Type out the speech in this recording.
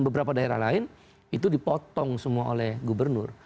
beberapa daerah lain itu dipotong semua oleh gubernur